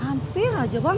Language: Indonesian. hampir aja bang